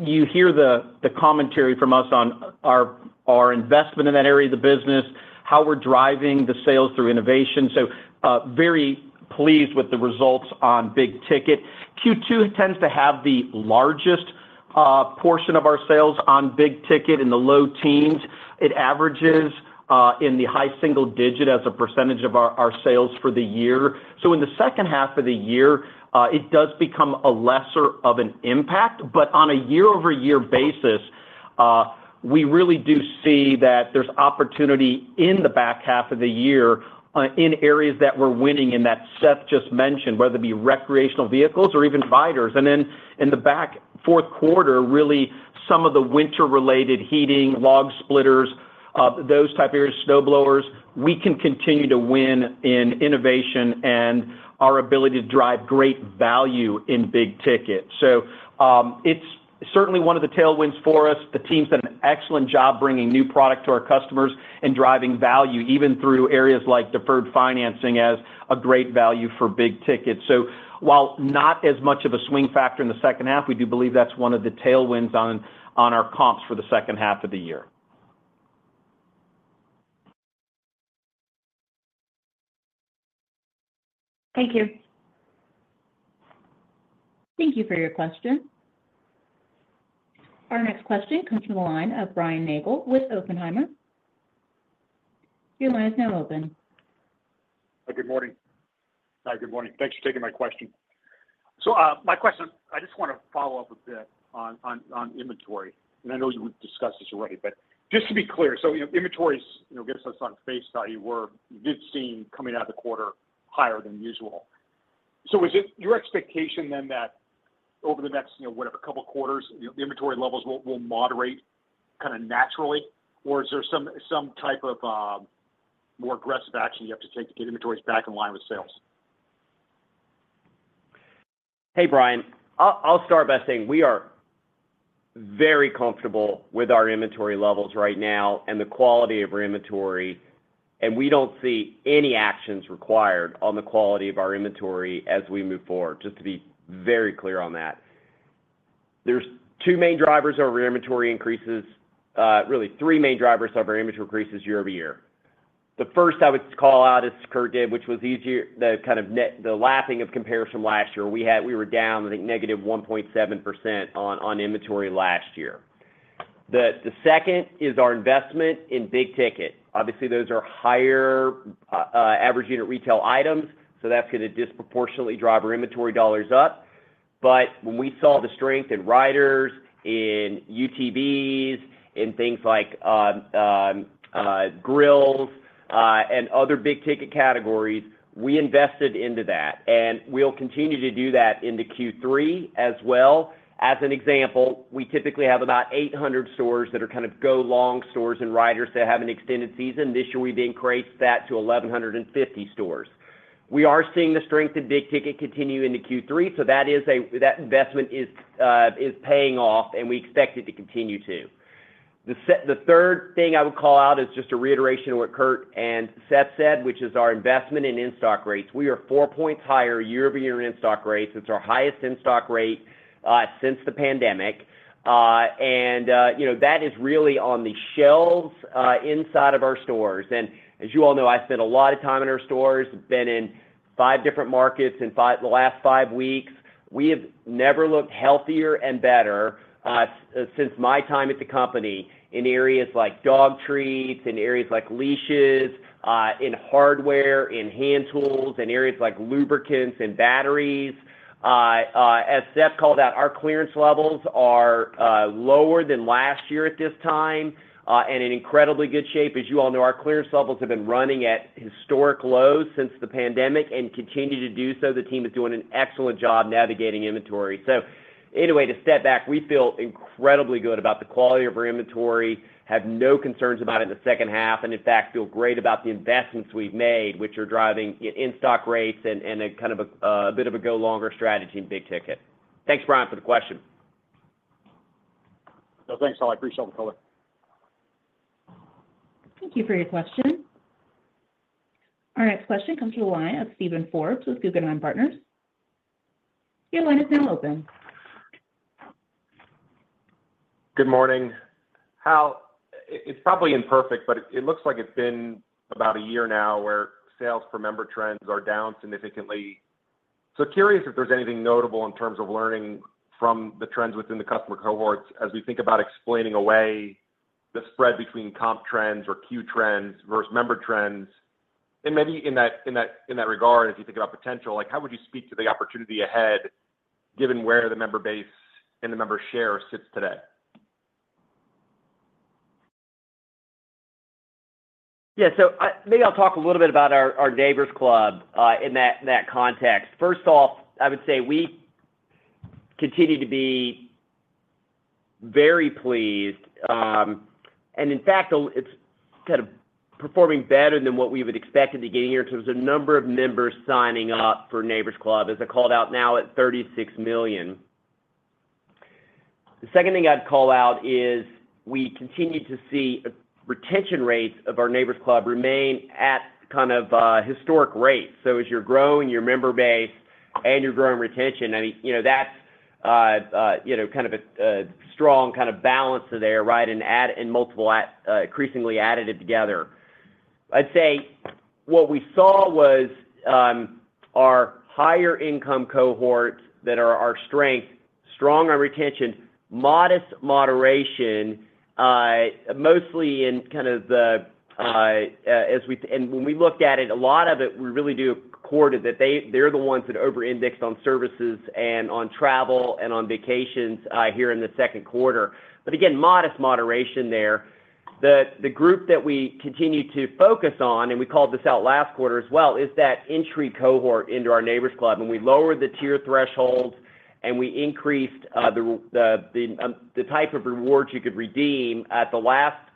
you hear the, the commentary from us on our, our investment in that area of the business, how we're driving the sales through innovation. So, very pleased with the results on big ticket. Q2 tends to have the largest portion of our sales on big ticket in the low teens. It averages in the high single digit as a percentage of our, our sales for the year. So in the second half of the year, it does become a lesser of an impact, but on a year-over-year basis, we really do see that there's opportunity in the back half of the year, in areas that we're winning in, that Seth just mentioned, whether it be recreational vehicles or even riders. And then in the back fourth quarter, really, some of the winter-related heating, log splitters, those type of areas, snowblowers, we can continue to win in innovation and our ability to drive great value in big ticket. So, it's certainly one of the tailwinds for us. The team's done an excellent job bringing new product to our customers and driving value, even through areas like deferred financing, as a great value for big ticket. So while not as much of a swing factor in the second half, we do believe that's one of the tailwinds on our comps for the second half of the year. Thank you. Thank you for your question. Our next question comes from the line of Brian Nagel with Oppenheimer. Your line is now open. Good morning. Hi, good morning. Thanks for taking my question. So, my question, I just wanna follow up a bit on inventory, and I know you discussed this already, but just to be clear. So, you know, inventories, you know, gives us on face value, did seem coming out of the quarter higher than usual. So is it your expectation then that over the next, you know, whatever, couple of quarters, you know, the inventory levels will moderate kinda naturally? Or is there some type of more aggressive action you have to take to get inventories back in line with sales? Hey, Brian, I'll start by saying we are very comfortable with our inventory levels right now and the quality of our inventory, and we don't see any actions required on the quality of our inventory as we move forward. Just to be very clear on that. There's two main drivers of our inventory increases, really three main drivers of our inventory increases year-over-year. The first I would call out, as Kurt did, which was easier, the kind of net lapping of comparison last year. We were down, I think, negative 1.7% on inventory last year. The second is our investment in big-ticket. Obviously, those are higher Average Unit Retail items, so that's gonna disproportionately drive our inventory dollars up. But when we saw the strength in riders, in UTVs, in things like grills and other big-ticket categories, we invested into that, and we'll continue to do that into Q3 as well. As an example, we typically have about 800 stores that are kind of go long stores and riders that have an extended season. This year, we've increased that to 1,150 stores. We are seeing the strength in big-ticket continue into Q3, so that investment is paying off, and we expect it to continue to. The third thing I would call out is just a reiteration of what Kurt and Seth said, which is our investment in in-stock rates. We are 4 points higher year-over-year in in-stock rates. It's our highest in-stock rate since the pandemic, and, you know, that is really on the shelves inside of our stores. And as you all know, I spend a lot of time in our stores, been in five different markets in the last five weeks. We have never looked healthier and better since my time at the company in areas like dog treats, in areas like leashes, in hardware, in hand tools, in areas like lubricants and batteries. As Seth called out, our clearance levels are lower than last year at this time and in incredibly good shape. As you all know, our clearance levels have been running at historic lows since the pandemic and continue to do so. The team is doing an excellent job navigating inventory. Anyway, to step back, we feel incredibly good about the quality of our inventory, have no concerns about it in the second half, and in fact, feel great about the investments we've made, which are driving in-stock rates and a kind of a bit of a go longer strategy in big ticket. Thanks, Brian, for the question. Thanks, Hal. I appreciate the color. Thank you for your question. Our next question comes from the line of Steven Forbes with Guggenheim Partners. Your line is now open. Good morning. Hal, it's probably imperfect, but it looks like it's been about a year now where sales per member trends are down significantly. So curious if there's anything notable in terms of learning from the trends within the customer cohorts, as we think about explaining away the spread between comp trends or Q trends versus member trends. And maybe in that regard, as you think about potential, like, how would you speak to the opportunity ahead, given where the member base and the member share sits today? Yeah, so maybe I'll talk a little bit about our Neighbor's Club in that context. First off, I would say we continue to be very pleased, and in fact, it's kind of performing better than what we would expected to get here, because there's a number of members signing up for Neighbor's Club, as I called out now at 36 million. The second thing I'd call out is, we continue to see retention rates of our Neighbor's Club remain at kind of historic rates. So as you're growing your member base and you're growing retention, I mean, you know, that's you know, kind of a strong kind of balance there, right? And multiple increasingly additive together. I'd say what we saw was our higher income cohorts that are our strength, strong on retention, modest moderation, mostly in kind of the and when we looked at it, a lot of it, we really do record it, that they're the ones that over-indexed on services and on travel and on vacations here in the second quarter. But again, modest moderation there. The group that we continue to focus on, and we called this out last quarter as well, is that entry cohort into our Neighbor's Club. When we lowered the tier threshold and we increased the type of rewards you could redeem in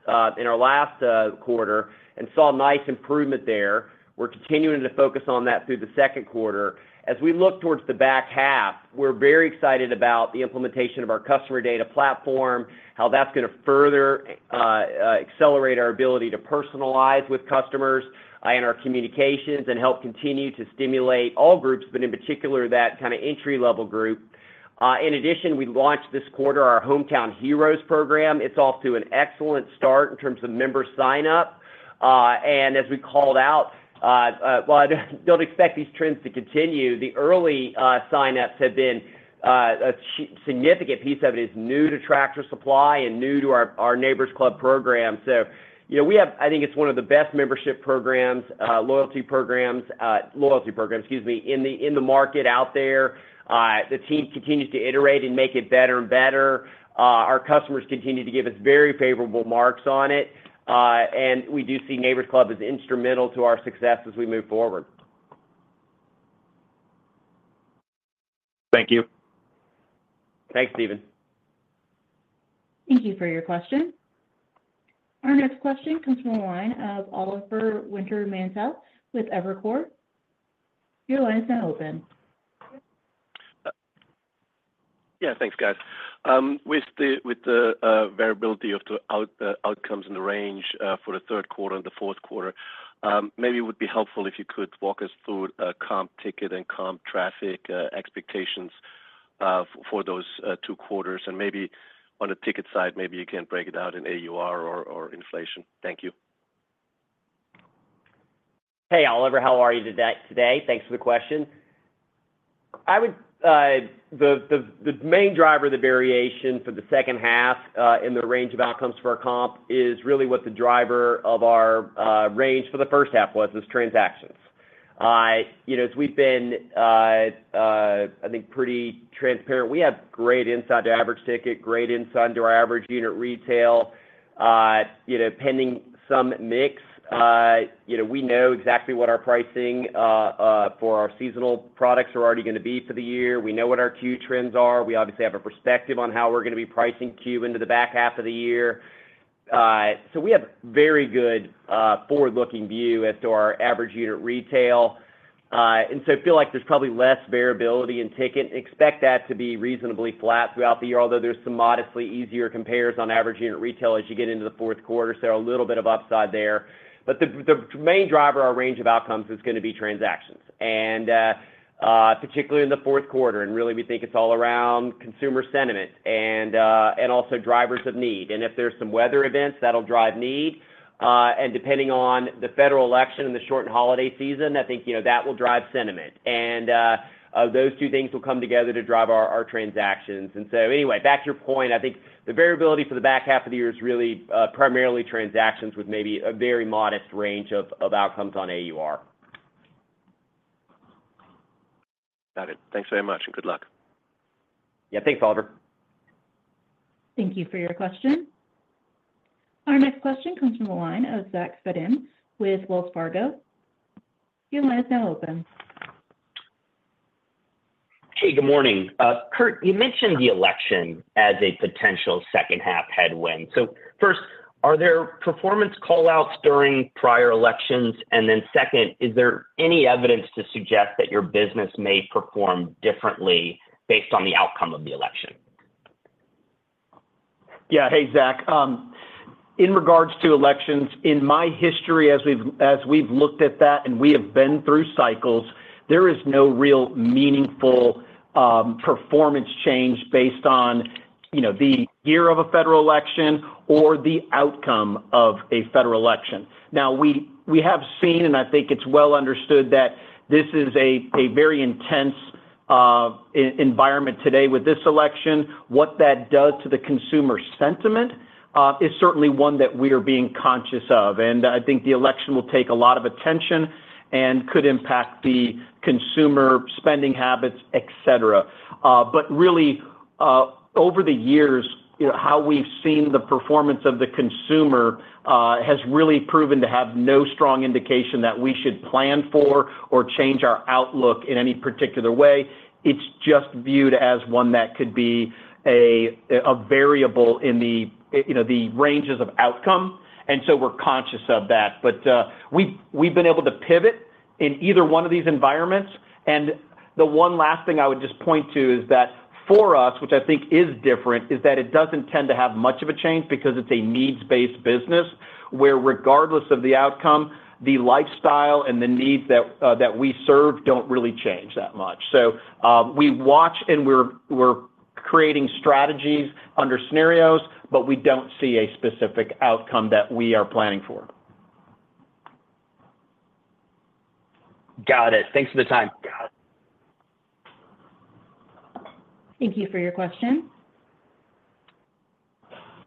our last quarter and saw a nice improvement there. We're continuing to focus on that through the second quarter. As we look towards the back half, we're very excited about the implementation of our customer data platform, how that's gonna further accelerate our ability to personalize with customers in our communications and help continue to stimulate all groups, but in particular, that kind of entry-level group. In addition, we launched this quarter our Hometown Heroes program. It's off to an excellent start in terms of member sign-up. And as we called out, while I don't expect these trends to continue, the early sign-ups have been a significant piece of it is new to Tractor Supply and new to our Neighbor's Club program. So, you know, we have I think it's one of the best membership programs, loyalty programs, loyalty programs, excuse me, in the market out there. The team continues to iterate and make it better and better. Our customers continue to give us very favorable marks on it, and we do see Neighbor's Club as instrumental to our success as we move forward. Thank you. Thanks, Steven. Thank you for your question. Our next question comes from the line of Oliver Wintermantel with Evercore. Your line is now open. Yeah, thanks, guys. With the variability of the outcomes and the range for the third quarter and the fourth quarter, maybe it would be helpful if you could walk us through a comp ticket and comp traffic expectations for those two quarters, and maybe on the ticket side, maybe you can break it out in AUR or inflation. Thank you. Hey, Oliver, how are you today? Thanks for the question. The main driver of the variation for the second half in the range of outcomes for our comp is really what the driver of our range for the first half was, is transactions. You know, as we've been I think pretty transparent, we have great insight to average ticket, great insight into our Average Unit Retail. You know, pending some mix, you know, we know exactly what our pricing for our seasonal products are already gonna be for the year. We know what our C.U.E. trends are. We obviously have a perspective on how we're gonna be pricing C.U.E. into the back half of the year. So we have a very good forward-looking view as to our Average Unit Retail. And so I feel like there's probably less variability in ticket, expect that to be reasonably flat throughout the year, although there's some modestly easier compares on average unit retail as you get into the fourth quarter. So a little bit of upside there. But the, the main driver, our range of outcomes, is gonna be transactions, and, particularly in the fourth quarter. And really, we think it's all around consumer sentiment and, and also drivers of need. And if there's some weather events, that'll drive need. And depending on the federal election and the short holiday season, I think, you know, that will drive sentiment. And, those two things will come together to drive our, our transactions. And so anyway, back to your point, I think the variability for the back half of the year is really primarily transactions with maybe a very modest range of outcomes on AUR. Got it. Thanks very much, and good luck. Yeah. Thanks, Oliver. Thank you for your question. Our next question comes from the line of Zachary Fadem with Wells Fargo. Your line is now open. Hey, good morning. Kurt, you mentioned the election as a potential second-half headwind. So first, are there performance call-outs during prior elections? And then second, is there any evidence to suggest that your business may perform differently based on the outcome of the election? Yeah. Hey, Zach. In regards to elections, in my history, as we've looked at that, and we have been through cycles, there is no real meaningful performance change based on, you know, the year of a federal election or the outcome of a federal election. Now, we have seen, and I think it's well understood that this is a very intense environment today with this election. What that does to the consumer sentiment is certainly one that we are being conscious of, and I think the election will take a lot of attention and could impact the consumer spending habits, et cetera. But really, over the years, you know, how we've seen the performance of the consumer has really proven to have no strong indication that we should plan for or change our outlook in any particular way. It's just viewed as one that could be a variable in the, you know, the ranges of outcome, and so we're conscious of that. But, we've been able to pivot in either one of these environments. And the one last thing I would just point to is that for us, which I think is different, is that it doesn't tend to have much of a change because it's a needs-based business, where regardless of the outcome, the lifestyle and the needs that, that we serve don't really change that much. So, we watch and we're creating strategies under scenarios, but we don't see a specific outcome that we are planning for. Got it. Thanks for the time. Thank you for your question.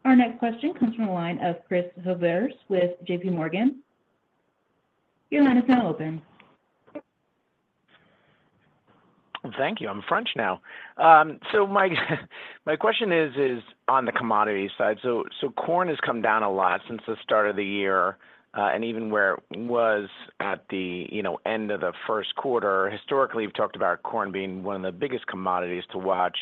Our next question comes from the line of Christopher Horvers with JPMorgan. Your line is now open. Thank you. I'm French now. So my question is on the commodity side. So corn has come down a lot since the start of the year, and even where it was at the, you know, end of the first quarter. Historically, you've talked about corn being one of the biggest commodities to watch.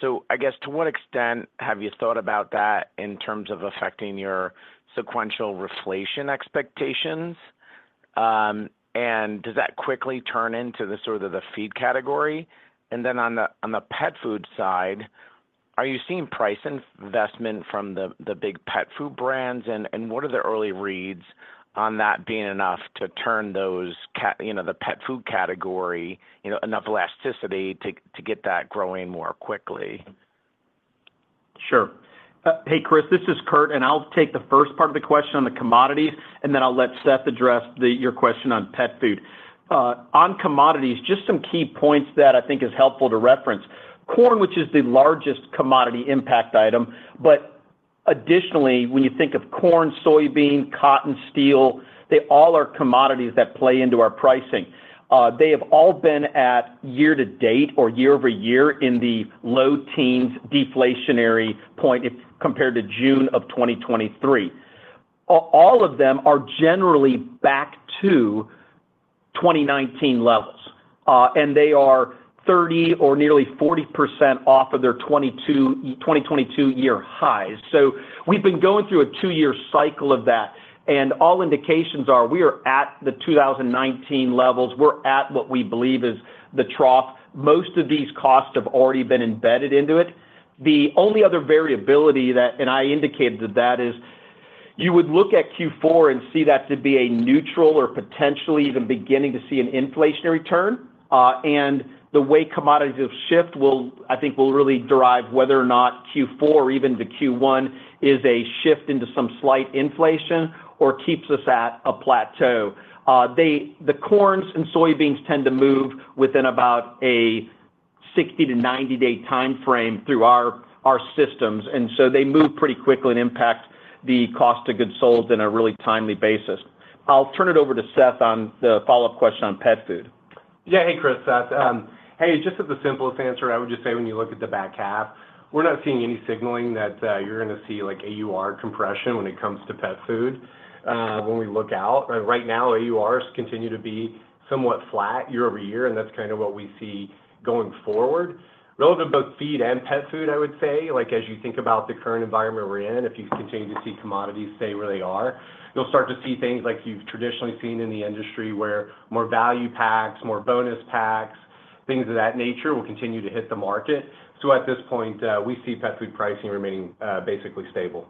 So I guess, to what extent have you thought about that in terms of affecting your sequential reflation expectations? And does that quickly turn into the sort of the feed category? And then on the pet food side, are you seeing price investment from the big pet food brands? And what are the early reads on that being enough to turn those you know, the pet food category, you know, enough elasticity to get that growing more quickly? Sure. Hey, Chris, this is Kurt, and I'll take the first part of the question on the commodities, and then I'll let Seth address the, your question on pet food. On commodities, just some key points that I think is helpful to reference. Corn, which is the largest commodity impact item, but additionally, when you think of corn, soybean, cotton, steel, they all are commodities that play into our pricing. They have all been at year-to-date or year-over-year in the low teens deflationary point if compared to June of 2023. All of them are generally back to 2019 levels, and they are 30% or nearly 40% off of their 2022 year highs. So we've been going through a 2-year cycle of that, and all indications are we are at the 2019 levels. We're at what we believe is the trough. Most of these costs have already been embedded into it. The only other variability that I indicated to that is, you would look at Q4 and see that to be a neutral or potentially even beginning to see an inflationary turn. The way commodities have shifted will, I think, really derive whether or not Q4 or even the Q1 is a shift into some slight inflation or keeps us at a plateau. The corns and soybeans tend to move within about a 60- to 90-day time frame through our systems, and so they move pretty quickly and impact the cost of goods sold in a really timely basis. I'll turn it over to Seth on the follow-up question on pet food. Yeah. Hey, Chris, Seth. Hey, just at the simplest answer, I would just say, when you look at the back half, we're not seeing any signaling that you're gonna see, like, AUR compression when it comes to pet food. When we look out, right now, AURs continue to be somewhat flat year over year, and that's kind of what we see going forward. Relative to both feed and pet food, I would say, like, as you think about the current environment we're in, if you continue to see commodities stay where they are, you'll start to see things like you've traditionally seen in the industry where more value packs, more bonus packs, things of that nature will continue to hit the market. So at this point, we see pet food pricing remaining basically stable.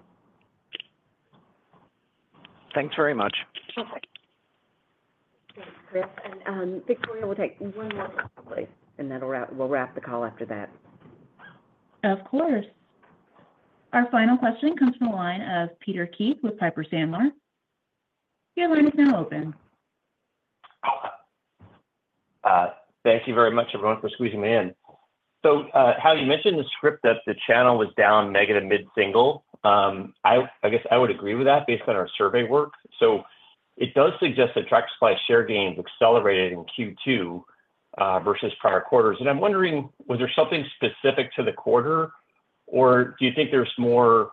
Thanks very much. Thanks, Chris. And, Victoria, we'll take one more question, please, and that'll wrap. We'll wrap the call after that. Of course. Our final question comes from the line of Peter Keith with Piper Sandler. Your line is now open. Thank you very much, everyone, for squeezing me in. So, Hal, you mentioned the script that the channel was down negative mid-single. I guess I would agree with that based on our survey work. So it does suggest that Tractor Supply share gains accelerated in Q2 versus prior quarters. And I'm wondering, was there something specific to the quarter, or do you think there's more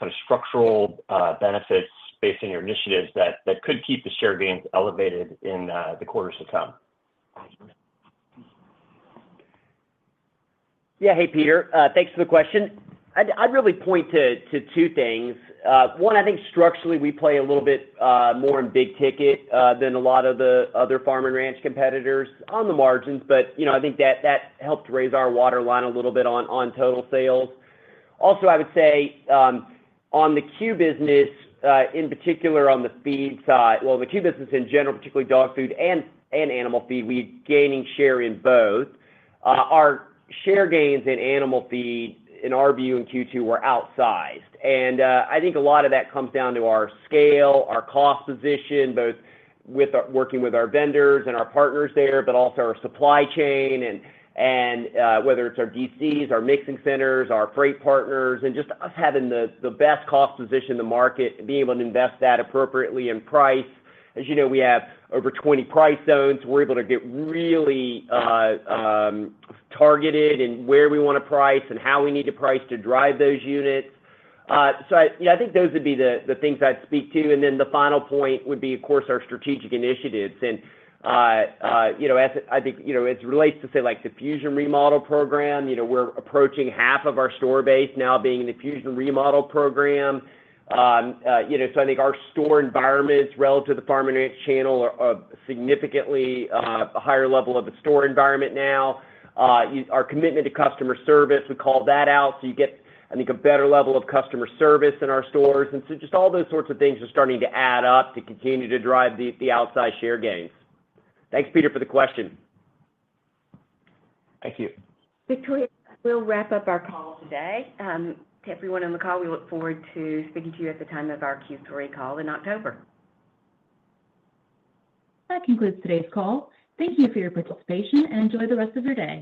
kind of structural benefits based on your initiatives that could keep the share gains elevated in the quarters to come? Yeah. Hey, Peter, thanks for the question. I'd really point to two things. One, I think structurally, we play a little bit more in big ticket than a lot of the other farm and ranch competitors on the margins. But, you know, I think that helped raise our waterline a little bit on total sales. Also, I would say on the C.U.E. business, in particular on the feed side. Well, the C.U.E. business in general, particularly dog food and animal feed, we're gaining share in both. Our share gains in animal feed, in our view, in Q2, were outsized. I think a lot of that comes down to our scale, our cost position, both with our working with our vendors and our partners there, but also our supply chain and whether it's our DCs, our mixing centers, our freight partners, and just us having the best cost position in the market and being able to invest that appropriately in price. As you know, we have over 20 price zones. We're able to get really targeted in where we wanna price and how we need to price to drive those units. So, yeah, I think those would be the things I'd speak to. And then the final point would be, of course, our strategic initiatives. And, you know, as I think, you know, as it relates to, say, like, the Fusion remodel program, you know, we're approaching half of our store base now being in the Fusion remodel program. You know, so I think our store environments, relative to the farm and ranch channel, are a significantly higher level of a store environment now. Our commitment to customer service, we called that out, so you get, I think, a better level of customer service in our stores. And so just all those sorts of things are starting to add up to continue to drive the outsized share gains. Thanks, Peter, for the question. Thank you. Victoria, we'll wrap up our call today. To everyone on the call, we look forward to speaking to you at the time of our Q3 call in October. That concludes today's call. Thank you for your participation, and enjoy the rest of your day.